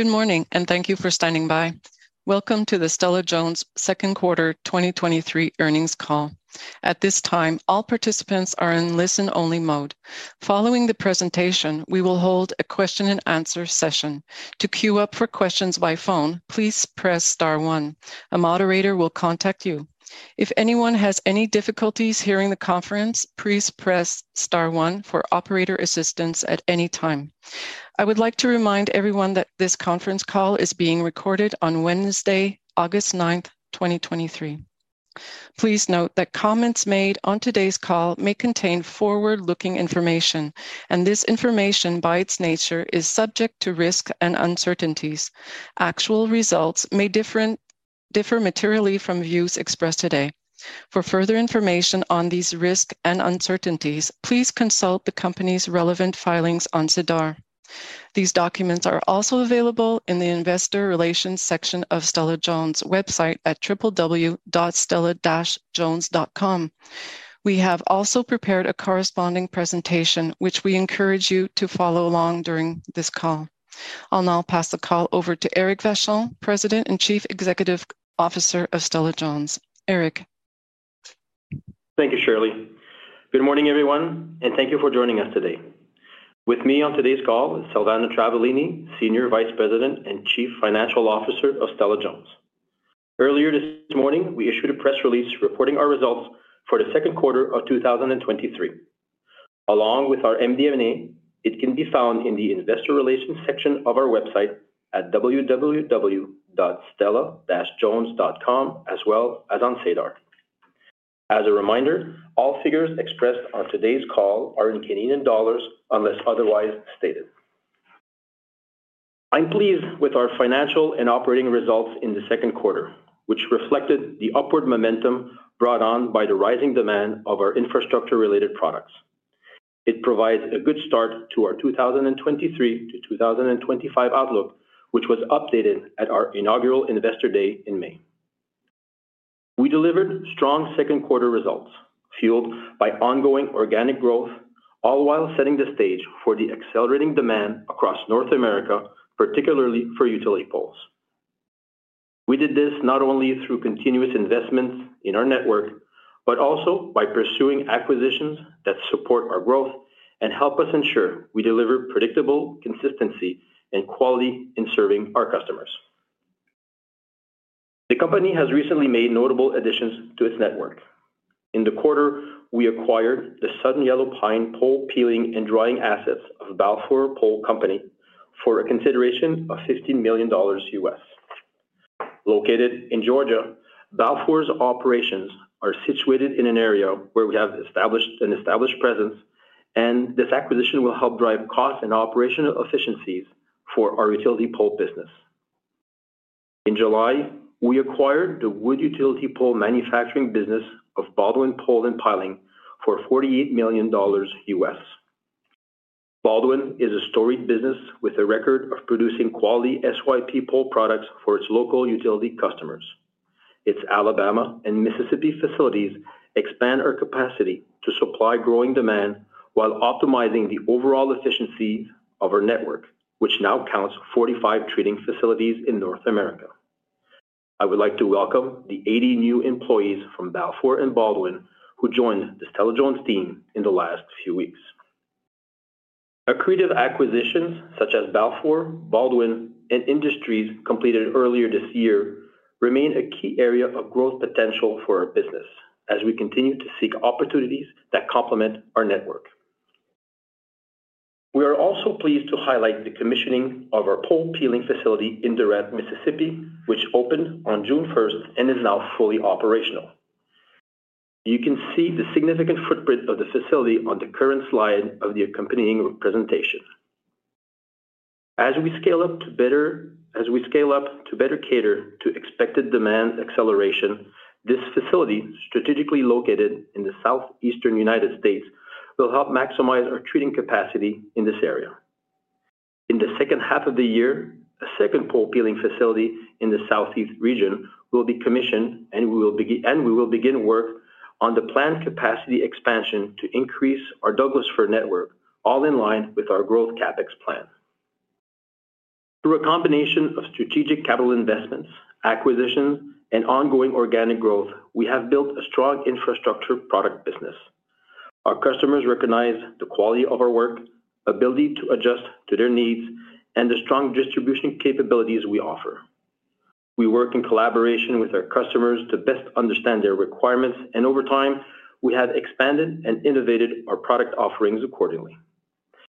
Good morning, thank you for standing by. Welcome to the Stella-Jones' Second Quarter 2023 Earnings Call. At this time, all participants are in listen-only mode. Following the presentation, we will hold a question and answer session. To queue up for questions by phone, please press star one. A moderator will contact you. If anyone has any difficulties hearing the conference, please press star one for operator assistance at any time. I would like to remind everyone that this conference call is being recorded on Wednesday, August 9th, 2023. Please note that comments made on today's call may contain forward-looking information, this information, by its nature, is subject to risk and uncertainties. Actual results may differ materially from views expressed today. For further information on these risks and uncertainties, please consult the company's relevant filings on SEDAR. These documents are also available in the investor relations section of Stella-Jones' website at www.stella-jones.com. We have also prepared a corresponding presentation, which we encourage you to follow along during this call. I'll now pass the call over to Eric Vachon, President and Chief Executive Officer of Stella-Jones. Eric? Thank you, Shirley. Good morning, everyone, thank you for joining us today. With me on today's call is Silvana Travaglini, Senior Vice President and Chief Financial Officer of Stella-Jones. Earlier this morning, we issued a press release reporting our results for the second quarter of 2023. Along with our MD&A, it can be found in the investor relations section of our website at www.stella-jones.com, as well as on SEDAR. As a reminder, all figures expressed on today's call are in Canadian dollars, unless otherwise stated. I'm pleased with our financial and operating results in the second quarter, which reflected the upward momentum brought on by the rising demand of our infrastructure-related products. It provides a good start to our 2023 to 2025 outlook, which was updated at our inaugural Investor Day in May. We delivered strong second quarter results, fueled by ongoing organic growth, all while setting the stage for the accelerating demand across North America, particularly for utility poles. We did this not only through continuous investments in our network, but also by pursuing acquisitions that support our growth and help us ensure we deliver predictable consistency and quality in serving our customers. The company has recently made notable additions to its network. In the quarter, we acquired the Southern Yellow Pine pole peeling and drying assets of Balfour Pole Company for a consideration of $15 million. Located in Georgia, Balfour's operations are situated in an area where we have an established presence, and this acquisition will help drive costs and operational efficiencies for our utility pole business. In July, we acquired the wood utility pole manufacturing business of Baldwin Pole & Piling for $48 million. Baldwin is a storied business with a record of producing quality SYP pole products for its local utility customers. Its Alabama and Mississippi facilities expand our capacity to supply growing demand while optimizing the overall efficiency of our network, which now counts 45 treating facilities in North America. I would like to welcome the 80 new employees from Balfour and Baldwin, who joined the Stella-Jones team in the last few weeks. Accretive acquisitions, such as Balfour, Baldwin, and IndusTREE, completed earlier this year, remain a key area of growth potential for our business as we continue to seek opportunities that complement our network. We are also pleased to highlight the commissioning of our pole peeling facility in Durant, Mississippi, which opened on June first and is now fully operational. You can see the significant footprint of the facility on the current slide of the accompanying presentation. As we scale up to better cater to expected demand acceleration, this facility, strategically located in the Southeastern United States, will help maximize our treating capacity in this area. In the second half of the year, a second pole peeling facility in the Southeast region will be commissioned, and we will begin work on the planned capacity expansion to increase our Douglas fir network, all in line with our growth CapEx plan. Through a combination of strategic capital investments, acquisitions, and ongoing organic growth, we have built a strong infrastructure product business. Our customers recognize the quality of our work, ability to adjust to their needs, and the strong distribution capabilities we offer. We work in collaboration with our customers to best understand their requirements, and over time, we have expanded and innovated our product offerings accordingly.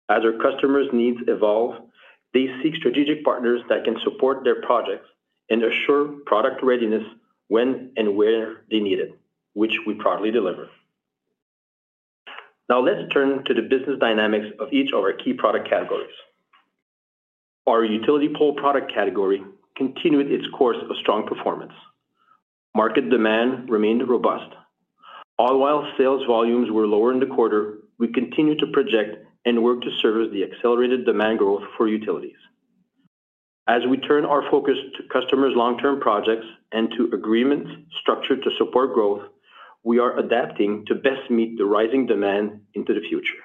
As our customers' needs evolve, they seek strategic partners that can support their projects and assure product readiness when and where they need it, which we proudly deliver. Now, let's turn to the business dynamics of each of our key product categories. Our utility pole product category continued its course of strong performance. Market demand remained robust. All while sales volumes were lower in the quarter, we continued to project and work to serve the accelerated demand growth for utilities. As we turn our focus to customers' long-term projects and to agreements structured to support growth, we are adapting to best meet the rising demand into the future.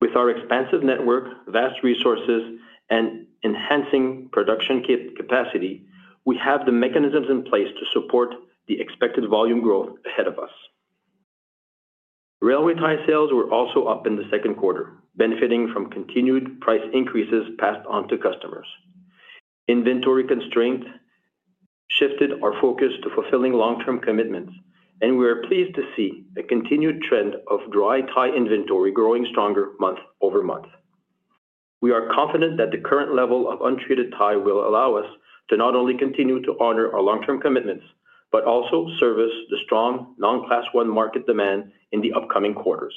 With our expansive network, vast resources, and enhancing production capacity, we have the mechanisms in place to support the expected volume growth ahead of us. Railway tie sales were also up in the second quarter, benefiting from continued price increases passed on to customers. Inventory constraints shifted our focus to fulfilling long-term commitments, and we are pleased to see a continued trend of dry tie inventory growing stronger month-over-month. We are confident that the current level of untreated tie will allow us to not only continue to honor our long-term commitments, but also service the strong non-Class 1 market demand in the upcoming quarters.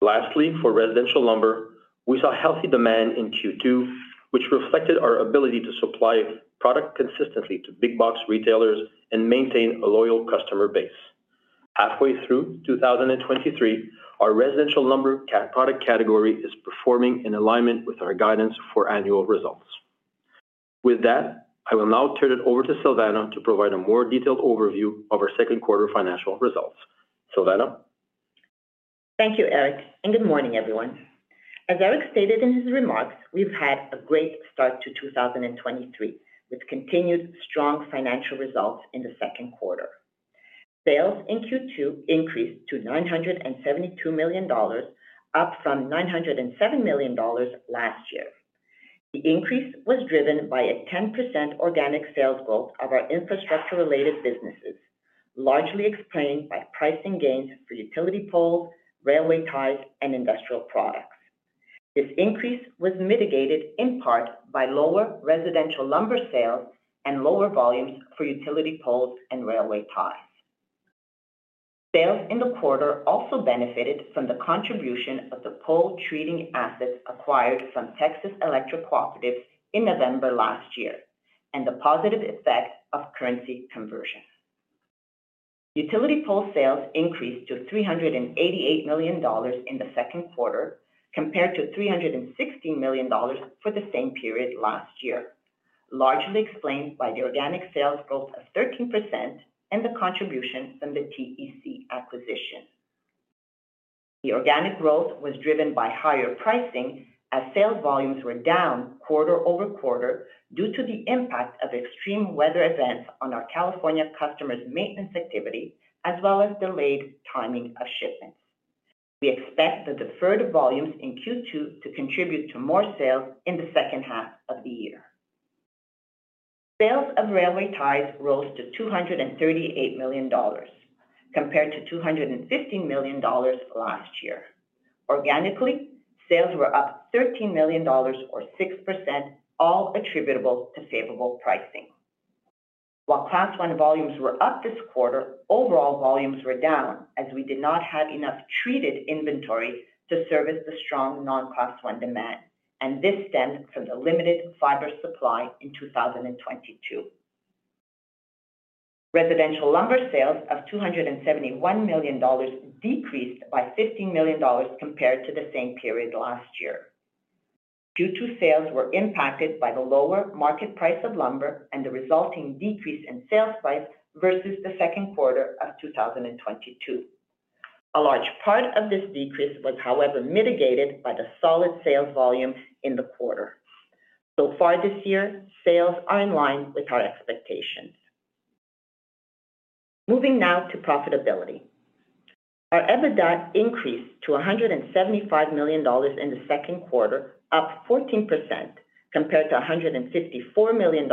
Lastly, for residential lumber, we saw healthy demand in Q2, which reflected our ability to supply product consistently to big box retailers and maintain a loyal customer base. Halfway through 2023, our residential lumber product category is performing in alignment with our guidance for annual results. With that, I will now turn it over to Silvana to provide a more detailed overview of our second quarter financial results. Silvana? Thank you, Eric. Good morning, everyone. As Eric stated in his remarks, we've had a great start to 2023, with continued strong financial results in the second quarter. Sales in Q2 increased to $972 million, up from $907 million last year. The increase was driven by a 10% organic sales growth of our infrastructure-related businesses, largely explained by pricing gains for utility poles, railway ties, and industrial products. This increase was mitigated in part by lower residential lumber sales and lower volumes for utility poles and railway ties. Sales in the quarter also benefited from the contribution of the pole treating assets acquired from Texas Electric Cooperatives in November last year, and the positive effect of currency conversion. Utility pole sales increased to $388 million in the second quarter, compared to $316 million for the same period last year, largely explained by the organic sales growth of 13% and the contribution from the TEC acquisition. The organic growth was driven by higher pricing, as sales volumes were down quarter-over-quarter due to the impact of extreme weather events on our California customers' maintenance activity, as well as delayed timing of shipments. We expect the deferred volumes in Q2 to contribute to more sales in the second half of the year. Sales of railway ties rose to $238 million, compared to $215 million last year. Organically, sales were up $13 million or 6%, all attributable to favorable pricing. While Class 1 volumes were up this quarter, overall volumes were down, as we did not have enough treated inventory to service the strong non-Class 1 demand, this stemmed from the limited fiber supply in 2022. residential lumber sales of $271 million decreased by $15 million compared to the same period last year. Due to sales were impacted by the lower market price of lumber and the resulting decrease in sales price versus the second quarter of 2022. A large part of this decrease was, however, mitigated by the solid sales volume in the quarter. So far this year, sales are in line with our expectations. Moving now to profitability. Our EBITDA increased to $175 million in the second quarter, up 14%, compared to $154 million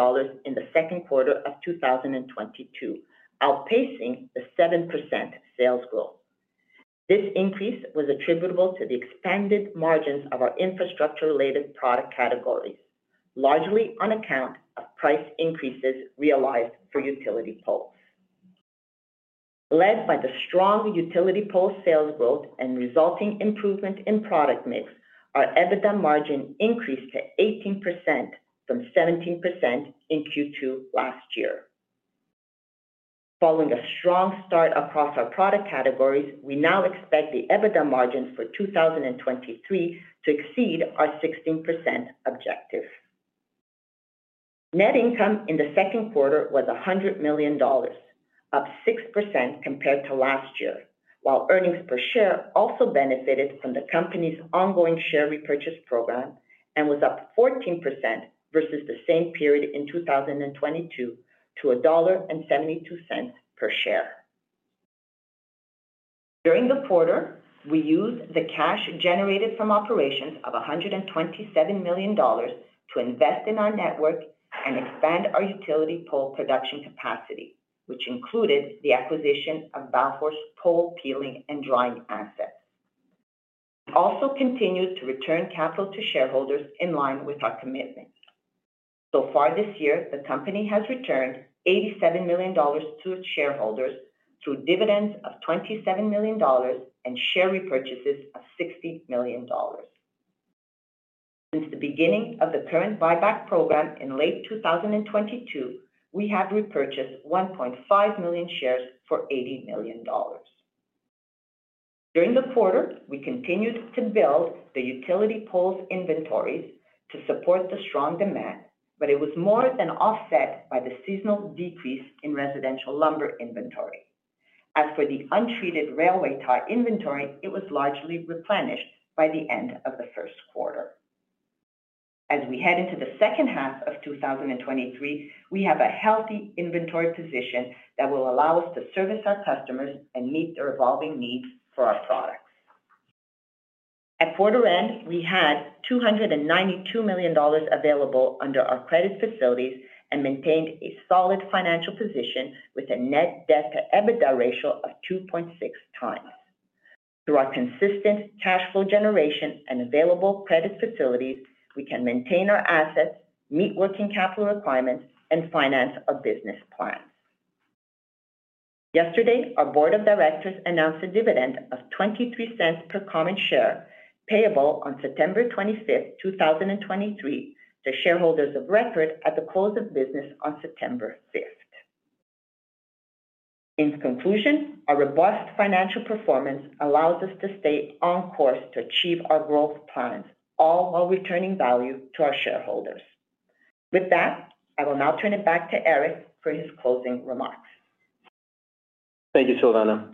in the second quarter of 2022, outpacing the 7% sales growth. This increase was attributable to the expanded margins of our infrastructure-related product categories, largely on account of price increases realized for utility poles. Led by the strong utility pole sales growth and resulting improvement in product mix, our EBITDA margin increased to 18% from 17% in Q2 last year. Following a strong start across our product categories, we now expect the EBITDA margins for 2023 to exceed our 16% objective. Net income in the second quarter was $100 million, up 6% compared to last year, while earnings per share also benefited from the company's ongoing share repurchase program and was up 14% versus the same period in 2022 to $1.72 per share. During the quarter, we used the cash generated from operations of $127 million to invest in our network and expand our utility pole production capacity, which included the acquisition of Balfour's pole peeling and drying assets. We also continued to return capital to shareholders in line with our commitment. Far this year, the company has returned $87 million to its shareholders through dividends of $27 million and share repurchases of $60 million. Since the beginning of the current buyback program in late 2022, we have repurchased 1.5 million shares for $80 million. During the quarter, we continued to build the utility poles inventories to support the strong demand. It was more than offset by the seasonal decrease in residential lumber inventory. As for the untreated railway tie inventory, it was largely replenished by the end of the first quarter. As we head into the second half of 2023, we have a healthy inventory position that will allow us to service our customers and meet their evolving needs for our products. At quarter end, we had $292 million available under our credit facilities and maintained a solid financial position with a net debt to EBITDA ratio of 2.6x. Through our consistent cash flow generation and available credit facilities, we can maintain our assets, meet working capital requirements, and finance our business plans. Yesterday, our board of directors announced a dividend of 0.23 per common share, payable on September 25th, 2023, to shareholders of record at the close of business on September 5th. In conclusion, our robust financial performance allows us to stay on course to achieve our growth plans, all while returning value to our shareholders. With that, I will now turn it back to Eric for his closing remarks. Thank you, Silvana.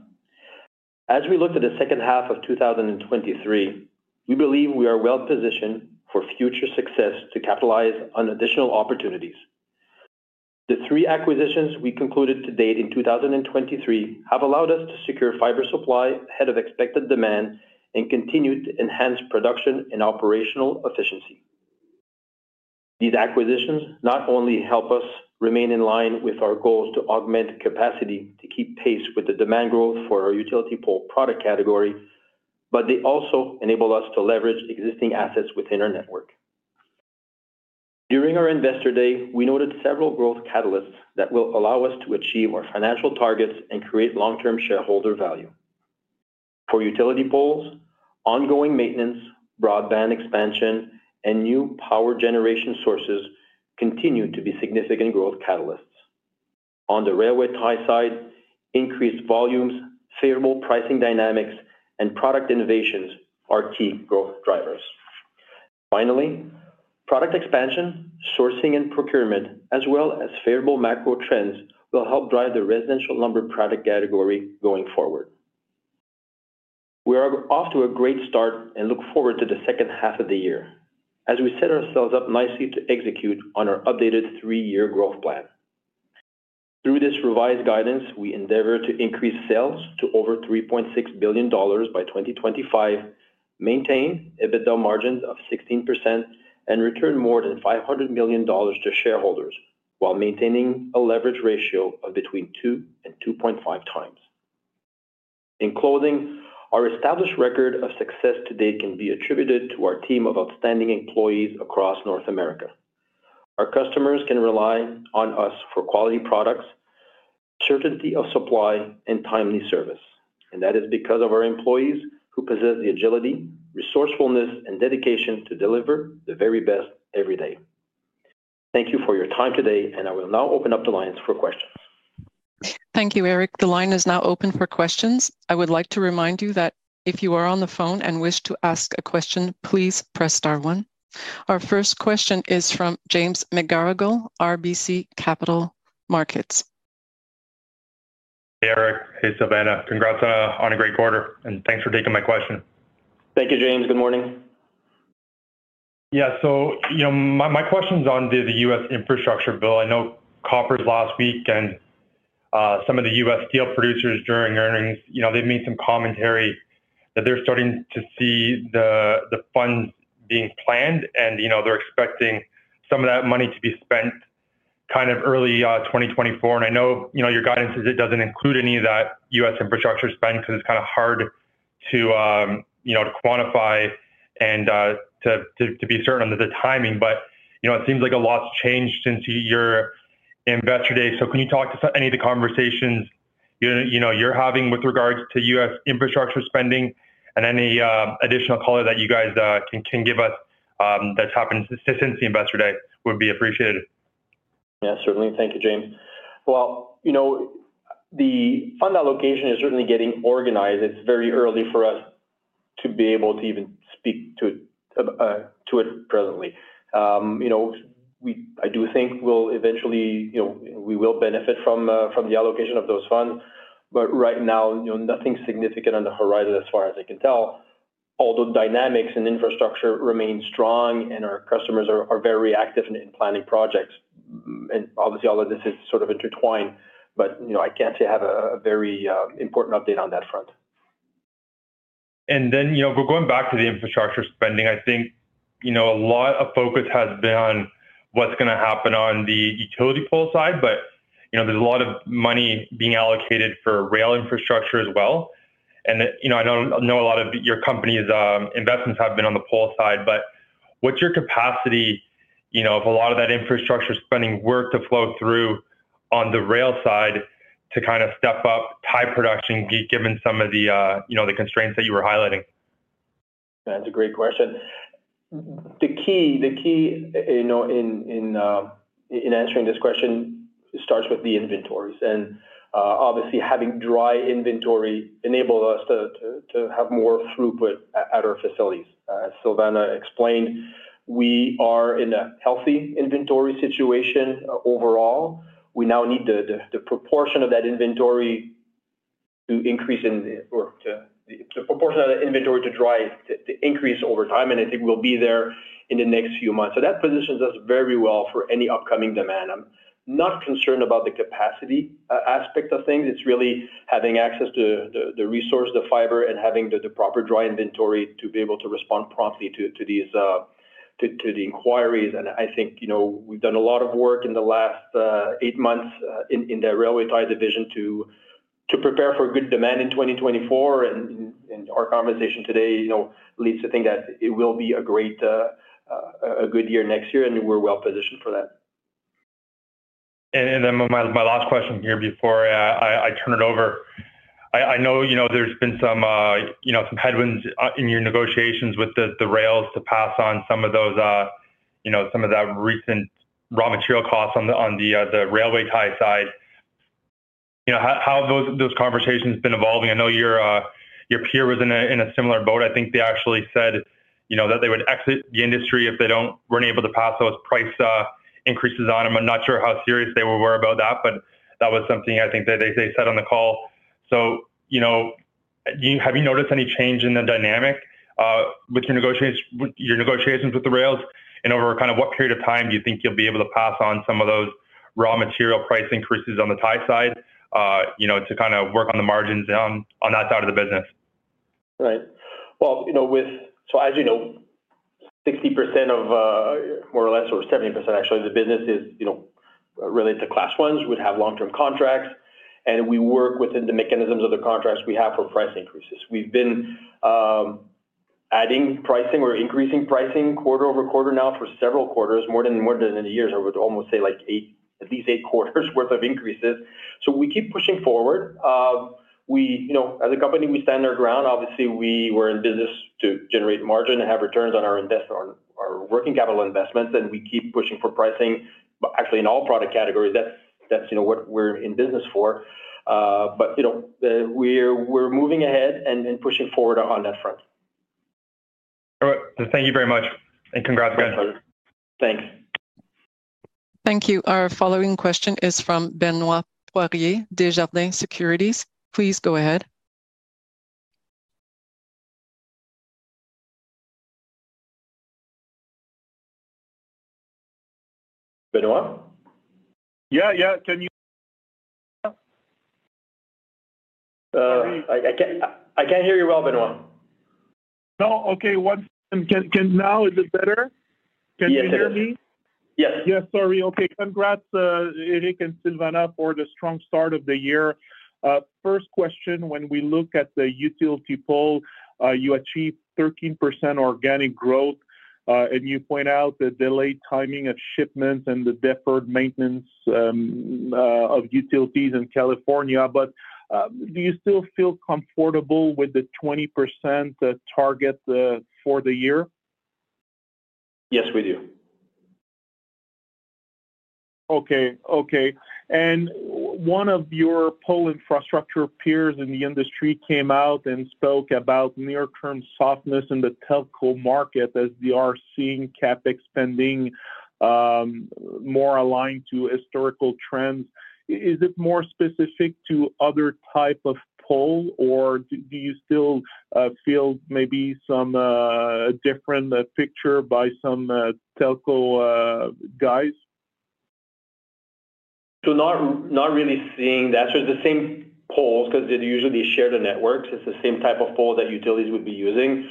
As we look to the second half of 2023, we believe we are well-positioned for future success to capitalize on additional opportunities. The three acquisitions we concluded to date in 2023 have allowed us to secure fiber supply ahead of expected demand and continued to enhance production and operational efficiency. These acquisitions not only help us remain in line with our goals to augment capacity, to keep pace with the demand growth for our utility pole product category, but they also enable us to leverage existing assets within our network. During our Investor Day, we noted several growth catalysts that will allow us to achieve our financial targets and create long-term shareholder value. For utility poles, ongoing maintenance, broadband expansion, and new power generation sources continue to be significant growth catalysts. On the railway tie side, increased volumes, favorable pricing dynamics, and product innovations are key growth drivers. Product expansion, sourcing and procurement, as well as favorable macro trends, will help drive the residential lumber product category going forward. We are off to a great start and look forward to the second half of the year as we set ourselves up nicely to execute on our updated three-year growth plan. Through this revised guidance, we endeavor to increase sales to over $3.6 billion by 2025, maintain EBITDA margins of 16%, and return more than $500 million to shareholders while maintaining a leverage ratio of between 2x and 2.5x. In closing, our established record of success to date can be attributed to our team of outstanding employees across North America. Our customers can rely on us for quality products, certainty of supply, and timely service, and that is because of our employees who possess the agility, resourcefulness, and dedication to deliver the very best every day. Thank you for your time today, and I will now open up the lines for questions. Thank you, Eric. The line is now open for questions. I would like to remind you that if you are on the phone and wish to ask a question, please press star one. Our first question is from James McGarragle, RBC Capital Markets. Hey, Eric. Hey, Silvana. Congrats, on a great quarter, and thanks for taking my question. Thank you, James. Good morning. You know, my, my question's on the U.S. infrastructure bill. I know Koppers last week and some of the U.S. steel producers during earnings, you know, they've made some commentary that they're starting to see the funds being planned, and, you know, they're expecting some of that money to be spent kind of early 2024. I know, you know, your guidance is it doesn't include any of that U.S. infrastructure spend because it's kind of hard to, you know, to quantify and to be certain under the timing. You know, it seems like a lot's changed since your Investor Day. Can you talk to any of the conversations you, you know, you're having with regards to US infrastructure spending and any additional color that you guys can, can give us that's happened since, since the Investor Day, would be appreciated. Yeah, certainly. Thank you, James. Well, you know, the fund allocation is certainly getting organized. It's very early for us to be able to even speak to it, to it presently. You know, I do think we'll eventually, you know, we will benefit from, from the allocation of those funds, but right now, you know, nothing significant on the horizon as far as I can tell. Dynamics and infrastructure remain strong, and our customers are, are very active in, in planning projects. Obviously, all of this is sort of intertwined, but, you know, I can't say I have a very, important update on that front. But going back to the infrastructure spending, I think, you know, a lot of focus has been on what's gonna happen on the utility pole side, but, you know, there's a lot of money being allocated for rail infrastructure as well. You know, I know, know a lot of your company's investments have been on the pole side, but what's your capacity, you know, if a lot of that infrastructure spending were to flow through on the rail side to kind of step up tie production, given some of the, you know, the constraints that you were highlighting? That's a great question. The key, the key, you know, in, in, in answering this question. It starts with the inventories, obviously, having dry inventory enabled us to have more throughput at, at our facilities. Silvana explained, we are in a healthy inventory situation overall. We now need the proportion of that inventory to increase in or the proportion of the inventory to dry to increase over time, I think we'll be there in the next few months. That positions us very well for any upcoming demand. I'm not concerned about the capacity aspect of things. It's really having access to the resource, the fiber, and having the, the proper dry inventory to be able to respond promptly to these, to the inquiries. I think, you know, we've done a lot of work in the last eight months in the railway tie division to prepare for a good demand in 2024, and our conversation today, you know, leads to think that it will be a great, a good year next year, and we're well positioned for that. My last question here before I turn it over. I know, you know, there's been some, you know, some headwinds in your negotiations with the rails to pass on some of those, you know, some of that recent raw material costs on the railway tie side. You know, how have those conversations been evolving? I know your peer was in a similar boat. I think they actually said, you know, that they would exit the industry if they weren't able to pass those price increases on them. I'm not sure how serious they were about that, but that was something I think that they said on the call. You know, have you noticed any change in the dynamic with your negotiations with the rails? Over what period of time do you think you'll be able to pass on some of those raw material price increases on the tie side, you know, to kinda work on the margins on, on that side of the business? Right. Well, you know, with-- as you know, 60% of, more or less, or 70% actually, of the business is, you know, related to Class 1s, would have long-term contracts, and we work within the mechanisms of the contracts we have for price increases. We've been adding pricing or increasing pricing quarter-over-quarter now for several quarters, more than, more than a year. I would almost say like eight, at least eight quarters worth of increases. We keep pushing forward. We, you know, as a company, we stand our ground. Obviously, we were in business to generate margin and have returns on our working capital investments, and we keep pushing for pricing. Actually, in all product categories, that's, that's, you know, what we're in business for. You know, the, we're, we're moving ahead and, and pushing forward on that front. All right. Thank you very much, and congrats again. Thanks. Thank you. Our following question is from Benoit Poirier, Desjardins Securities. Please go ahead. Benoit? Yeah, yeah. I can't-- I can't hear you well, Benoit. No, okay. One second. Can, can now, is it better? Yeah, better. Can you hear me? Yes. Yes, sorry. Okay. Congrats, Eric and Silvana, for the strong start of the year. First question, when we look at the utility pole, you achieved 13% organic growth, and you point out the delayed timing of shipments and the deferred maintenance of utilities in California, do you still feel comfortable with the 20% target for the year? Yes, we do. Okay, okay. One of your pole infrastructure peers in the industry came out and spoke about near-term softness in the telco market as we are seeing CapEx spending more aligned to historical trends. Is it more specific to other type of pole, or do you still feel maybe some different picture by some telco guys? Not, not really seeing that. The same poles, 'cause they'd usually share the networks. It's the same type of pole that utilities would be using.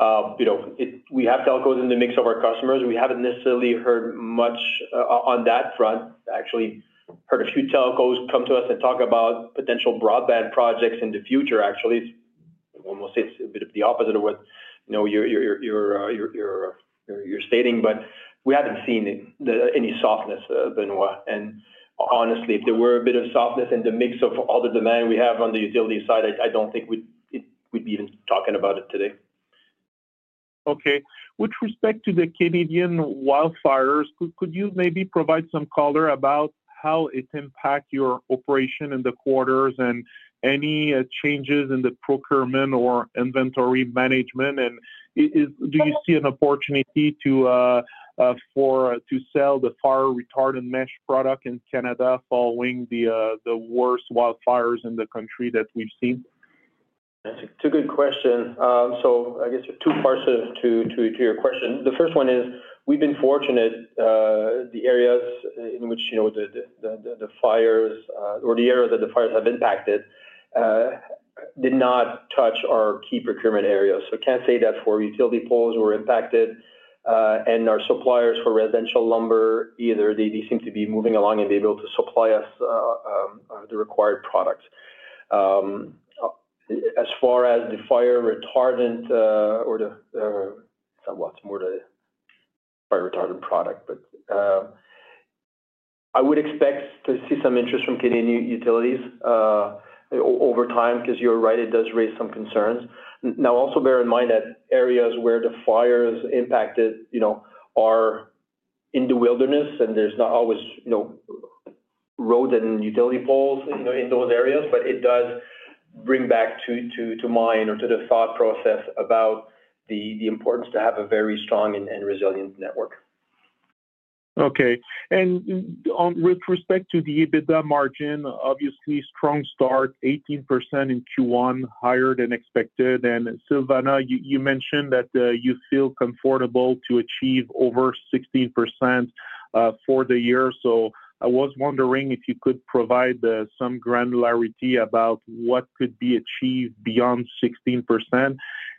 You know, it-- we have telcos in the mix of our customers, and we haven't necessarily heard much on that front. Heard a few telcos come to us and talk about potential broadband projects in the future, actually. I would almost say it's a bit of the opposite of what, you know, you're, you're stating, but we haven't seen the, any softness, Benoit. Honestly, if there were a bit of softness in the mix of all the demand we have on the utility side, I don't think we'd-- it- we'd be even talking about it today. Okay. With respect to the Canadian wildfires, could, could you maybe provide some color about how it impact your operation in the quarters and any changes in the procurement or inventory management? Is-- do you see an opportunity to to sell the fire-retardant mesh product in Canada following the worst wildfires in the country that we've seen? It's a good question. So I guess there's two parts to your question. The first one is, we've been fortunate, the areas in which, you know, the fires, or the areas that the fires have impacted, did not touch our key procurement areas. So I can't say that our utility poles were impacted, and our suppliers for residential lumber, either they seem to be moving along and be able to supply us the required products. As far as the fire retardant, or the, well, it's more the fire retardant product, but I would expect to see some interest from Canadian utilities. Over time, because you're right, it does raise some concerns. Now, also bear in mind that areas where the fires impacted, you know, are in the wilderness, and there's not always, you know, roads and utility poles, you know, in those areas. It does bring back to mind or to the thought process about the importance to have a very strong and resilient network. Okay. On with respect to the EBITDA margin, obviously, strong start, 18% in Q1, higher than expected. Silvana, you, you mentioned that you feel comfortable to achieve over 16% for the year. I was wondering if you could provide some granularity about what could be achieved beyond 16%,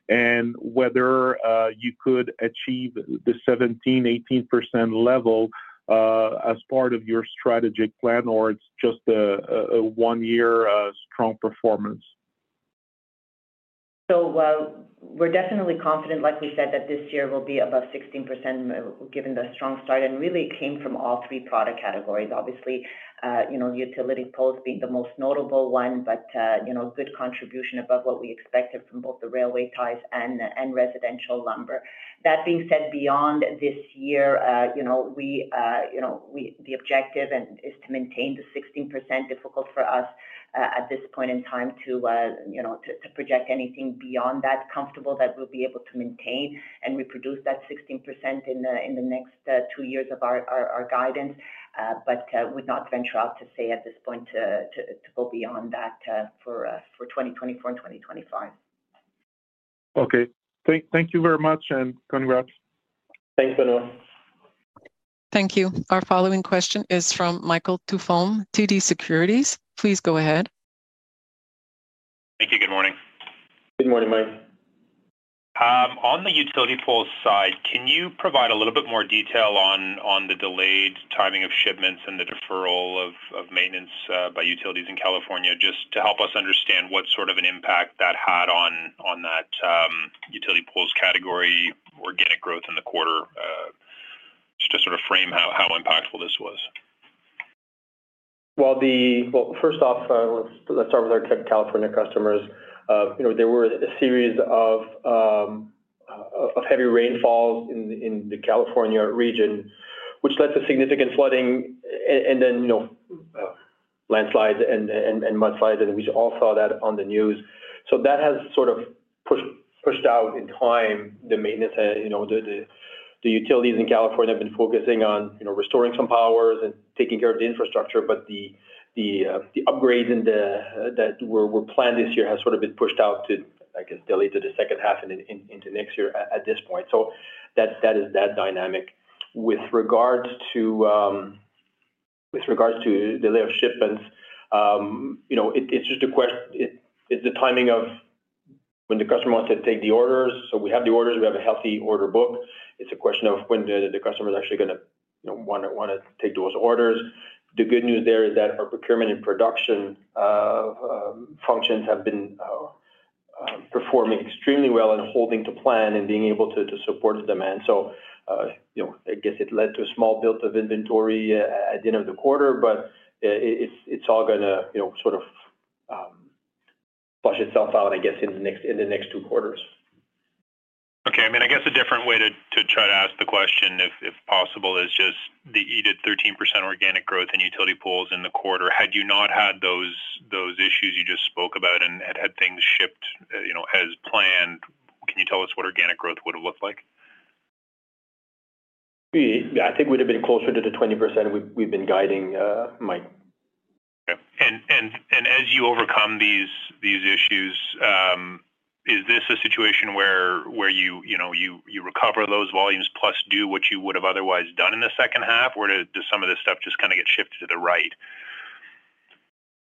and whether you could achieve the 17%-18% level as part of your strategic plan, or it's just a one-year strong performance? We're definitely confident, like we said, that this year will be above 16%, given the strong start, and really it came from all three product categories. Obviously, you know, utility poles being the most notable one, good contribution above what we expected from both the railway ties and residential lumber. That being said, beyond this year, you know, we, you know, the objective and, is to maintain the 16%. Difficult for us at this point in time to, you know, to project anything beyond that. Comfortable that we'll be able to maintain and reproduce that 16% in the next two years of our guidance, but would not venture out to say at this point to go beyond that for 2024 and 2025. Okay. Thank you very much, and congrats. Thanks, Manuel. Thank you. Our following question is from Michael Tupholme, TD Securities. Please go ahead. Thank you. Good morning. Good morning, Mike. On the utility poles side, can you provide a little bit more detail on, on the delayed timing of shipments and the deferral of, of maintenance by utilities in California, just to help us understand what sort of an impact that had on, on that utility poles category, organic growth in the quarter, just to sort of frame how, how impactful this was? Well, first off, let's start with our California customers. You know, there were a series of, of, of heavy rainfalls in the California region, which led to significant flooding and then, you know, landslides and, and, and mudslides, and we all saw that on the news. That has sort of pushed, pushed out in time, the maintenance, you know, the utilities in California have been focusing on, you know, restoring some powers and taking care of the infrastructure, but the upgrades and the, that were, were planned this year has sort of been pushed out to, I guess, delayed to the second half and into next year at, at this point. That is that dynamic. With regards to, with regards to delay of shipments, you know, it's just a, it's the timing of when the customer wants to take the orders. We have the orders, we have a healthy order book. It's a question of when the, the customer's actually gonna, you know, wanna, wanna take those orders. The good news there is that our procurement and production functions have been performing extremely well and holding to plan and being able to, to support the demand. You know, I guess it led to a small build of inventory at the end of the quarter, but, it's, it's all gonna, you know, sort of, flush itself out, I guess, in the next, in the next two quarters. Okay. I mean, I guess a different way to try to ask the question, if possible, is just the, you did 13% organic growth in utility poles in the quarter. Had you not had those, those issues you just spoke about and, and had things shipped, you know, as planned, can you tell us what organic growth would have looked like? I think we'd have been closer to the 20% we've, we've been guiding, Mike. Yeah. And, and as you overcome these, these issues, is this a situation where, where you, you know, you, you recover those volumes, plus do what you would have otherwise done in the second half? Or does some of this stuff just kinda get shifted to the right?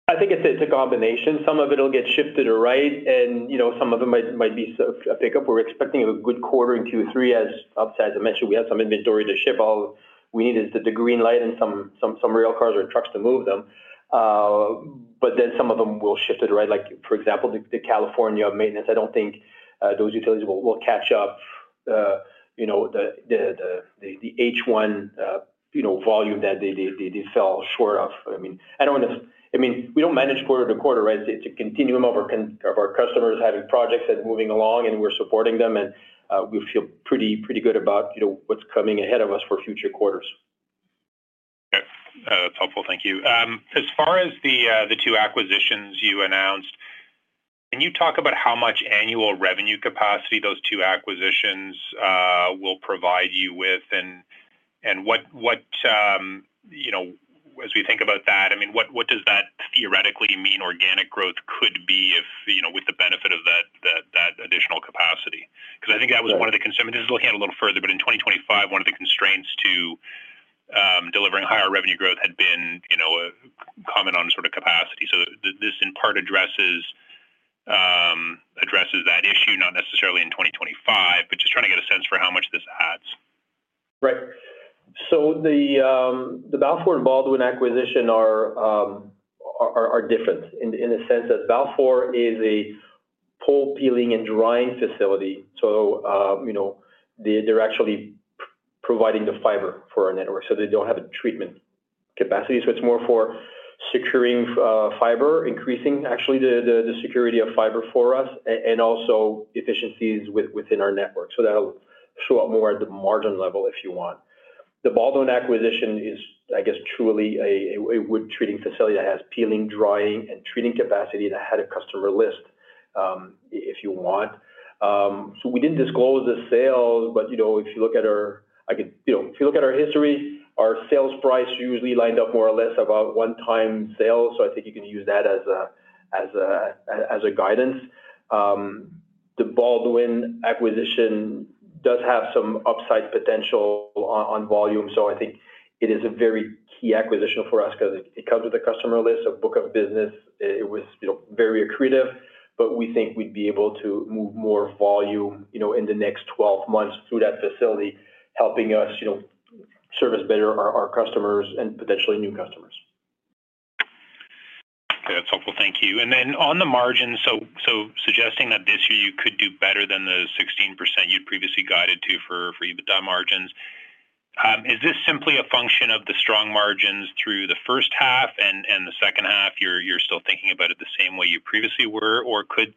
I think it's a combination. Some of it'll get shifted to right, and, you know, some of them might, might be a pickup. We're expecting a good quarter in Q3 as-- Obviously, as I mentioned, we have some inventory to ship. All we need is the, the green light and some, some, some rail cars or trucks to move them. But then some of them will shift to the right. Like, for example, the California maintenance, I don't think those utilities will catch up, you know, the H1, you know, volume that they fell short of. I mean, I don't want to-- I mean, we don't manage quarter to quarter, right? It's a continuum of our customers having projects that are moving along, and we're supporting them, and we feel pretty good about, you know, what's coming ahead of us for future quarters. Yeah. That's helpful. Thank you. As far as the, the two acquisitions you announced, can you talk about how much annual revenue capacity those two acquisitions will provide you with? And what, you know, as we think about that, I mean, what, what does that theoretically mean organic growth could be if, you know, with the benefit of that additional capacity? Yeah. I think that was one of the concerns. This is looking ahead a little further, but in 2025, one of the constraints to delivering higher revenue growth had been, you know, comment on sort of capacity. This, this in part addresses that issue, not necessarily in 2025, but just trying to get a sense for how much this adds. Right. The, the Balfour and Baldwin acquisition are different in the, in the sense that Balfour is a pole peeling and drying facility. You know, they, they're actually providing the fiber for our network, so they don't have a treatment capacity. It's more for securing fiber, increasing actually the security of fiber for us and also efficiencies within our network. That'll show up more at the margin level, if you want. The Baldwin acquisition is, I guess, truly a wood treating facility that has peeling, drying, and treating capacity that had a customer list, if you want. We didn't disclose the sale, but, you know, if you look at our history, our sales price usually lined up more or less about one time sale, so I think you can use that as a guidance. The Baldwin acquisition does have some upside potential on, on volume, so I think it is a very key acquisition for us because it comes with a customer list, a book of business. It was, you know, very accretive, but we think we'd be able to move more volume, you know, in the next 12 months through that facility, helping us, you know, service better our, our customers and potentially new customers. That's helpful. Thank you. Then on the margin, suggesting that this year you could do better than the 16% you'd previously guided to for EBITDA margins, is this simply a function of the strong margins through the first half, and the second half, you're still thinking about it the same way you previously were? Or could,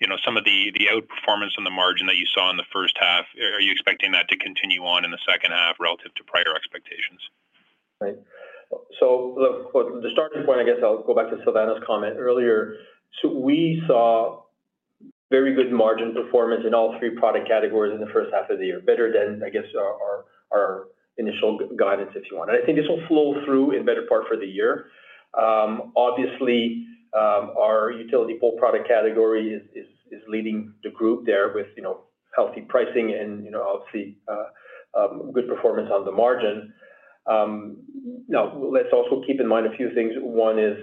you know, some of the outperformance on the margin that you saw in the first half, are you expecting that to continue on in the second half relative to prior expectations? Right. Look, well, the starting point, I guess I'll go back to Silvana's comment earlier. We saw very good margin performance in all three product categories in the first half of the year, better than, I guess, our, our, our initial guidance, if you want. I think this will flow through in better part for the year. Obviously, our utility pole product category is leading the group there with, you know, healthy pricing and, you know, obviously, good performance on the margin. Now, let's also keep in mind a few things. One is,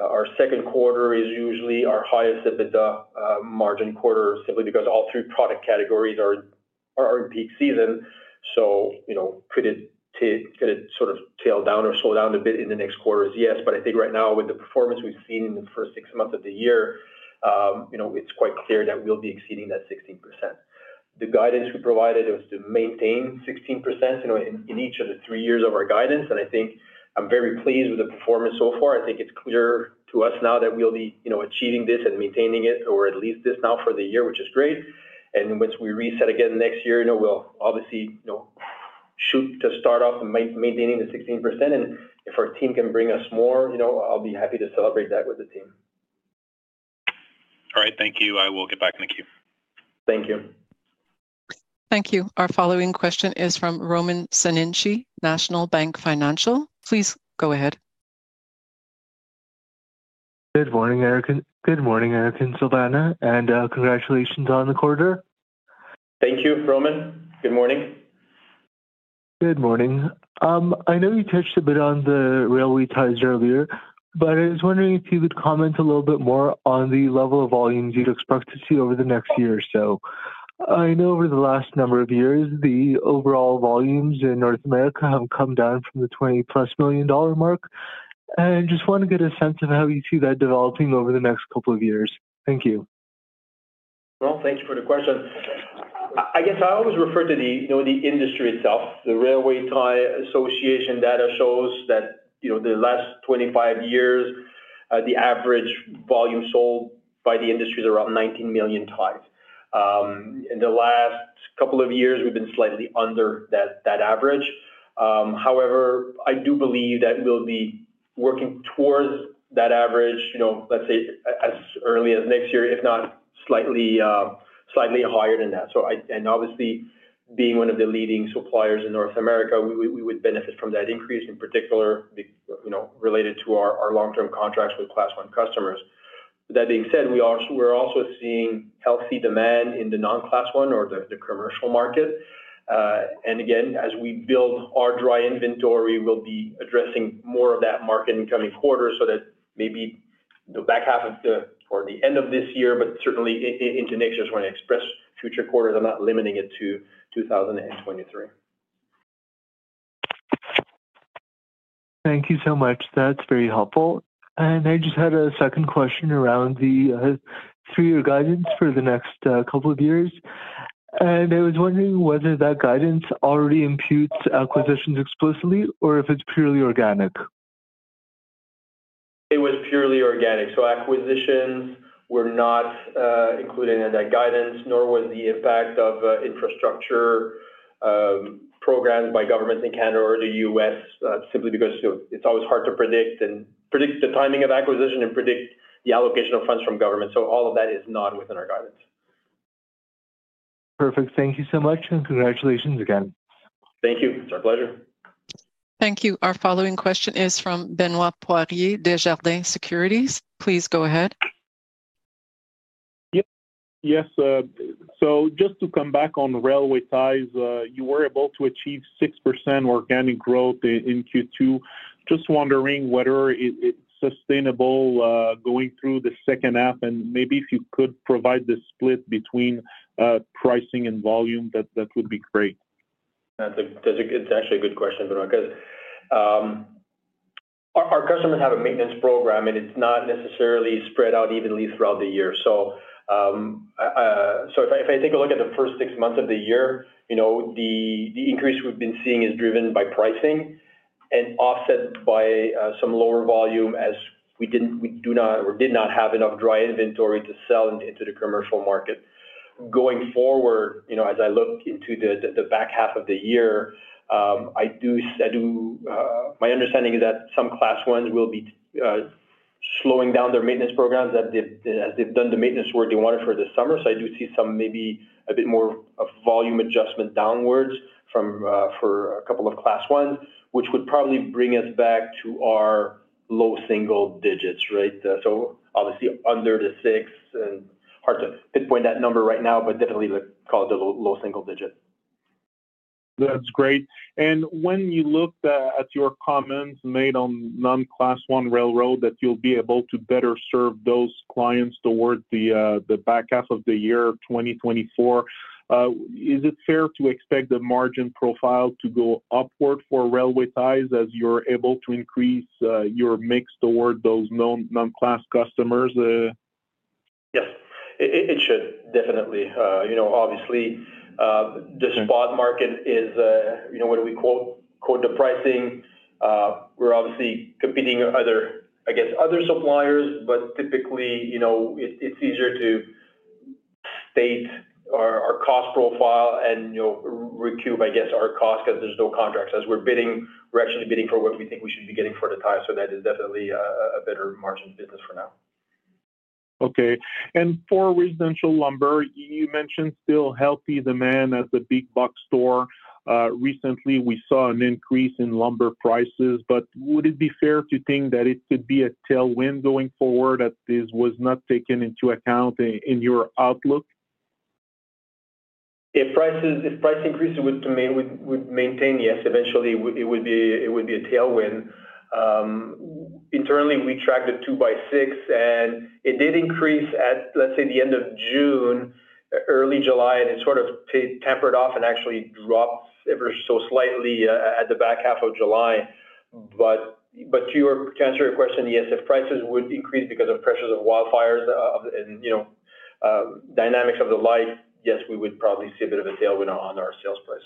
our second quarter is usually our highest EBITDA margin quarter, simply because all three product categories are in peak season. You know, could it sort of tail down or slow down a bit in the next quarters? Yes. I think right now, with the performance we've seen in the first six months of the year, you know, it's quite clear that we'll be exceeding that 16%. The guidance we provided was to maintain 16%, you know, in, in each of the three years of our guidance, and I think I'm very pleased with the performance so far. I think it's clear to us now that we'll be, you know, achieving this and maintaining it, or at least this now for the year, which is great. Once we reset again next year, you know, we'll obviously, you know, shoot to start off and maintaining the 16%. If our team can bring us more, you know, I'll be happy to celebrate that with the team. All right, thank you. I will get back in the queue. Thank you. Thank you. Our following question is from Roman Pshenychnyi, National Bank Financial. Please go ahead. Good morning, Eric. Good morning, Eric and Silvana. Congratulations on the quarter. Thank you, Roman. Good morning. Good morning. I know you touched a bit on the railway ties earlier, but I was wondering if you would comment a little bit more on the level of volumes you'd expect to see over the next year or so. I know over the last number of years, the overall volumes in North America have come down from the $20 million+ mark, and I just want to get a sense of how you see that developing over the next couple of years. Thank you. Well, thank you for the question. I guess I always refer to the, you know, the industry itself. The Railway Tie Association data shows that, you know, the last 25 years, the average volume sold by the industry is around 19 million ties. In the last couple of years, we've been slightly under that, that average. However, I do believe that we'll be working towards that average, you know, let's say, as early as next year, if not slightly higher than that. And obviously, being one of the leading suppliers in North America, we, we, we would benefit from that increase, in particular, you know, related to our, our long-term contracts with Class 1 customers. That being said, we're also seeing healthy demand in the non-Class 1 or the commercial market. Again, as we build our dry inventory, we'll be addressing more of that market in coming quarters so that maybe the back half of the, or the end of this year, but certainly into next year's, when I express future quarters, I'm not limiting it to 2023. Thank you so much. That's very helpful. I just had a second question around the three-year guidance for the next couple of years. I was wondering whether that guidance already imputes acquisitions explicitly or if it's purely organic? It was purely organic, so acquisitions were not included in that guidance, nor was the impact of infrastructure programs by governments in Canada or the US, simply because, you know, it's always hard to predict and predict the timing of acquisition and predict the allocation of funds from government. All of that is not within our guidance. Perfect. Thank you so much, and congratulations again. Thank you. It's our pleasure. Thank you. Our following question is from Benoit Poirier, Desjardins Securities. Please go ahead. Yes, just to come back on railway ties, you were able to achieve 6% organic growth in, in Q2. Just wondering whether it's sustainable, going through the second half, and maybe if you could provide the split between pricing and volume, that, that would be great? That's actually a good question, Benoit. Our customers have a maintenance program. It's not necessarily spread out evenly throughout the year. If I take a look at the first six months of the year, you know, the increase we've been seeing is driven by pricing and offset by some lower volume as we do not or did not have enough dry inventory to sell into the commercial market. Going forward, you know, as I look into the back half of the year, my understanding is that some Class 1s will be slowing down their maintenance programs as they've done the maintenance work they wanted for this summer. I do see some, maybe a bit more of volume adjustment downwards from, for a couple of Class 1s, which would probably bring us back to our low single digits, right? Obviously, under the six, and hard to pinpoint that number right now, but definitely, we call it a low single digit. That's great. When you look at your comments made on non-Class 1 railroad, that you'll be able to better serve those clients towards the back half of the year, 2024, is it fair to expect the margin profile to go upward for railway ties as you're able to increase your mix toward those non, non-Class customers? Yes, it should, definitely. You know, obviously, the spot market is, you know, when we quote, quote the pricing, we're obviously competing other, I guess, other suppliers. Typically, you know, it, it's easier to state our, our cost profile and, you know, recoup, I guess, our cost because there's no contracts. As we're bidding, we're actually bidding for what we think we should be getting for the tie, so that is definitely a, a better margin business for now. Okay. For residential lumber, you mentioned still healthy demand at the big box store. Recently, we saw an increase in lumber prices, but would it be fair to think that it could be a tailwind going forward, that this was not taken into account in, in your outlook? If prices, if price increases would maintain, yes, eventually it would be, it would be a tailwind. internally, we tracked a 2x6, and it did increase at, let's say, the end of June, early July, and it sort of tapered off and actually dropped ever so slightly at the back half of July. to answer your question, yes, if prices would increase because of pressures of wildfires, and, you know, dynamics of the life, yes, we would probably see a bit of a tailwind on our sales price.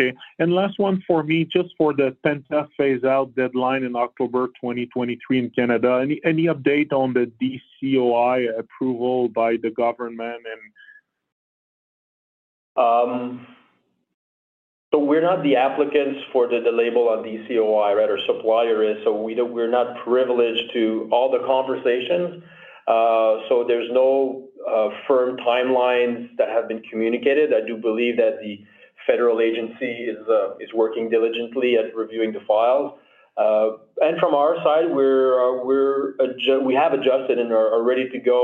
Okay. Last one for me, just for the pentachlorophenol phase out deadline in October 2023 in Canada, any update on the DCOI approval by the government? We're not the applicants for the label on DCOI, right? Our supplier is. We don't-- we're not privileged to all the conversations. There's no firm timelines that have been communicated. I do believe that the federal agency is working diligently at reviewing the files. From our side, we're adjus-- we have adjusted and are ready to go,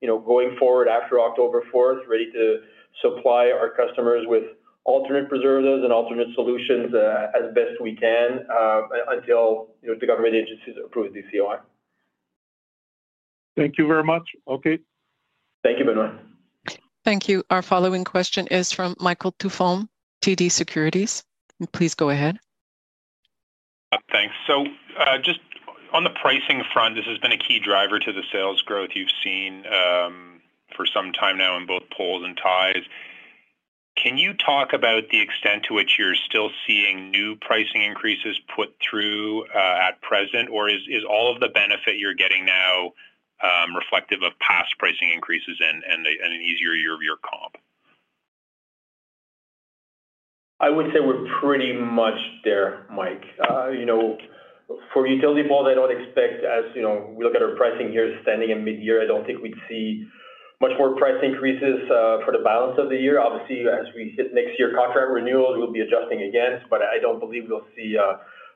you know, going forward after October fourth, ready to supply our customers with alternate preservatives and alternate solutions, as best we can, until, you know, the government agencies approve DCOI. Thank you very much. Okay. Thank you, Benoit. Thank you. Our following question is from Michael Tupholme, TD Securities. Please go ahead. Thanks. Just on the pricing front, this has been a key driver to the sales growth you've seen for some time now in both poles and ties. Can you talk about the extent to which you're still seeing new pricing increases put through at present? Is all of the benefit you're getting now reflective of past pricing increases and an easier year-over-year comp? I would say we're pretty much there, Mike. You know, for utility poles, I don't expect, as you know, we look at our pricing here standing in midyear, I don't think we'd see much more price increases for the balance of the year. Obviously, as we hit next year, contract renewals, we'll be adjusting again, but I don't believe we'll see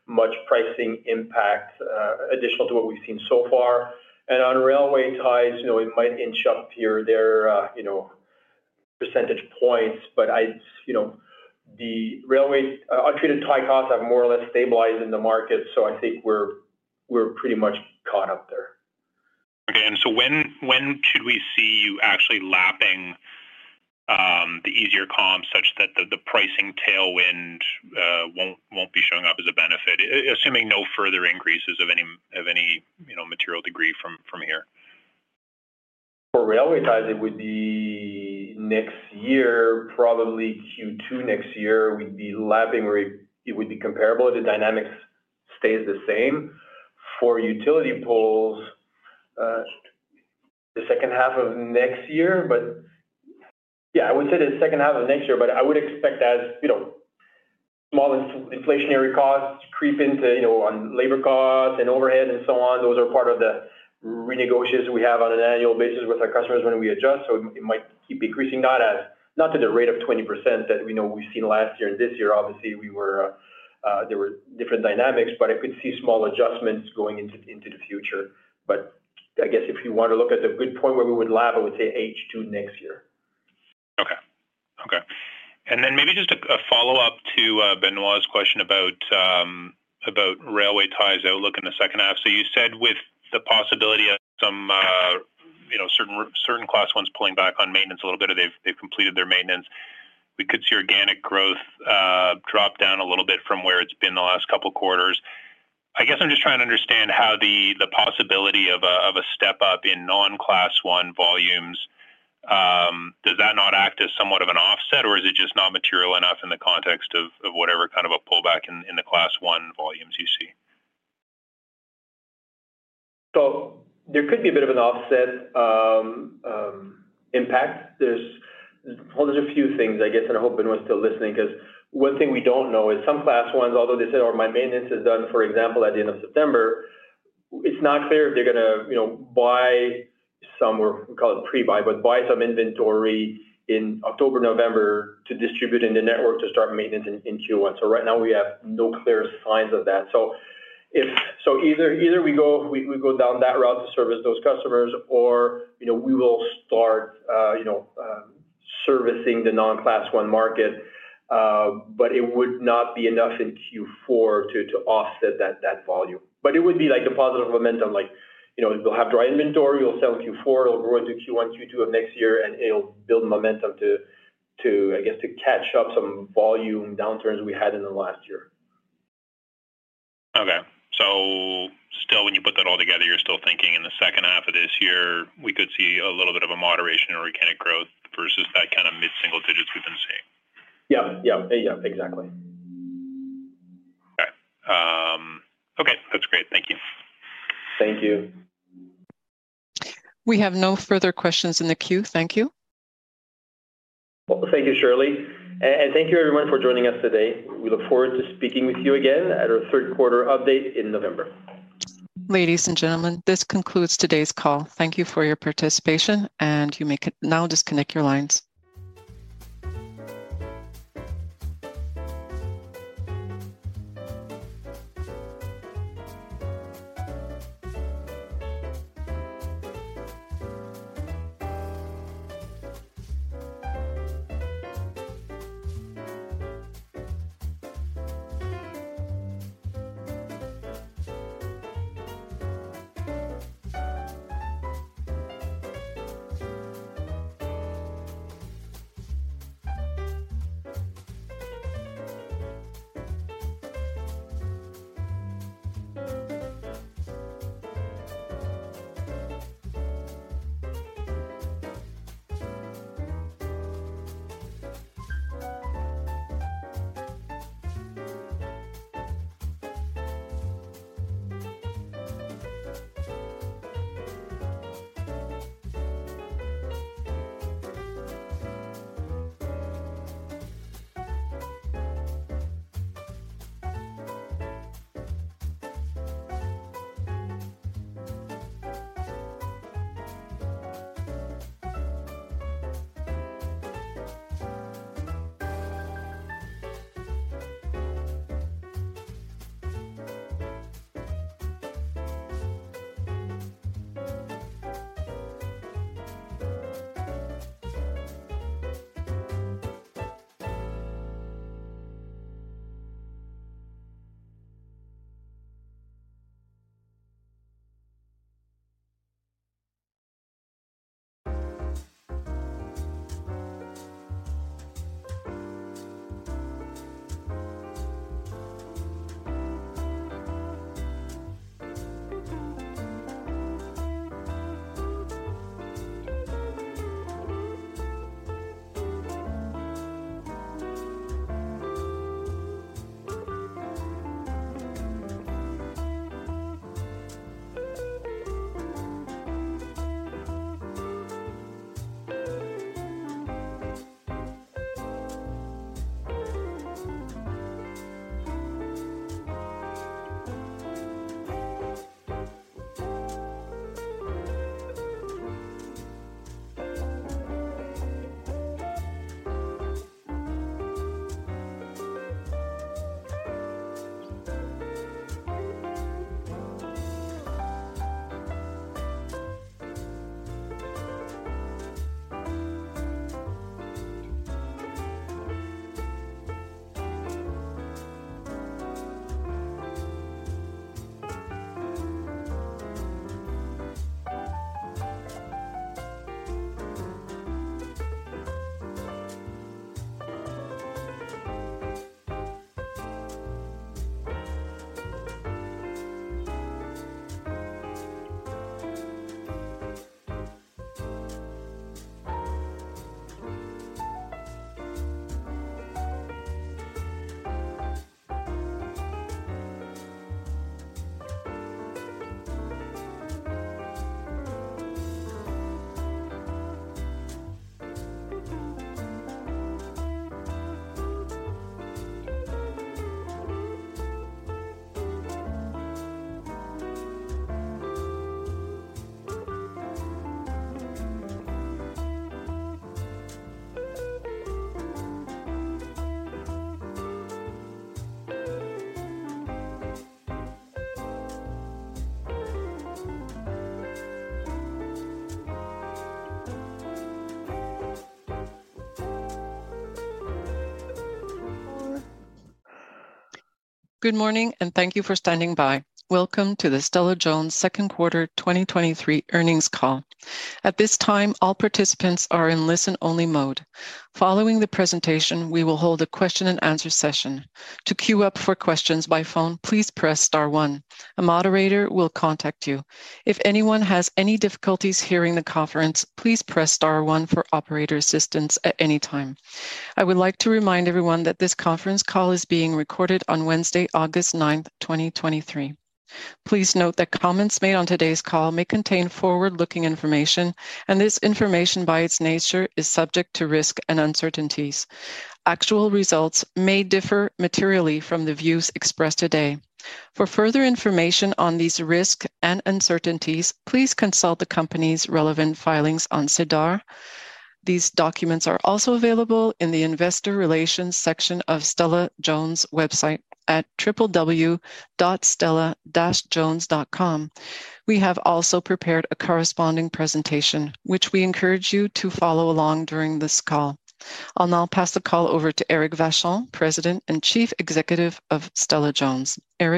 much pricing impact additional to what we've seen so far. On railway ties, you know, it might inch up here or there, you know, percentage points, but I, you know, the railway untreated tie costs have more or less stabilized in the market, so I think we're, we're pretty much caught up there. Okay. So when, when should we see you actually lapping the easier comps such that the, the pricing tailwind won't, won't be showing up as a benefit, assuming no further increases of any, of any, you know, material degree from, from here? For railway ties, it would be next year, probably Q2 next year, we'd be lapping, or it would be comparable if the dynamics stays the same. For utility poles, the second half of next year. Yeah, I would say the second half of next year, but I would expect as, you know, small inflationary costs creep into, you know, on labor costs and overhead and so on, those are part of the renegotiation we have on an annual basis with our customers when we adjust. It might keep increasing, not as, not to the rate of 20% that we know we've seen last year and this year. Obviously, we were, there were different dynamics, but I could see small adjustments going into the future. I guess if you want to look at the good point where we would lap, I would say H2 next year. Okay. Okay. Then maybe just a follow-up to Benoit's question about about railway ties outlook in the second half. You said completed their maintenance, we could see organic growth drop down a little bit from where it's been the last couple quarters. I guess I'm just trying to understand how the the possibility of a of a step-up in non-Class 1 volumes does that not act as somewhat of an offset, or is it just not material enough in the context of of whatever kind of a pullback in the Class 1 volumes you see? There could be a bit of an offset impact. There's, well, there's a few things, I guess, and I hope everyone's still listening, 'cause one thing we don't know is some Class 1s, although they say, "Oh, my maintenance is done," for example, at the end of September, it's not clear if they're gonna, you know, buy some or call it pre-buy, but buy some inventory in October, November to distribute in the network to start maintenance in Q1. Right now we have no clear signs of that. Either, either we go, we, we go down that route to service those customers, or, you know, we will start, you know, servicing the non-Class 1 market. It would not be enough in Q4 to, to offset that volume. It would be like a positive momentum, like, you know, we'll have dry inventory, we'll sell Q4 over onto Q1, Q2 of next year, and it'll build momentum to, I guess, to catch up some volume downturns we had in the last year. Okay. Still, when you put that all together, you're still thinking in the second half of this year, we could see a little bit of a moderation in organic growth versus that kind of mid-single digits we've been seeing? Yeah. exactly. Okay. Okay, that's great. Thank you. Thank you. We have no further questions in the queue. Thank you. Well, thank you, Shirley, and thank you everyone for joining us today. We look forward to speaking with you again at our third quarter update in November. Ladies and gentlemen, this concludes today's call. Thank you for your participation, you may now disconnect your lines.